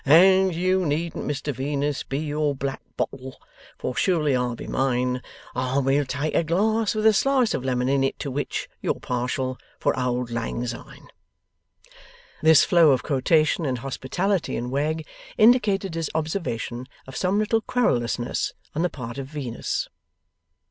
"And you needn't Mr Venus be your black bottle, For surely I'll be mine, And we'll take a glass with a slice of lemon in it to which you're partial, For auld lang syne."' This flow of quotation and hospitality in Wegg indicated his observation of some little querulousness on the part of Venus.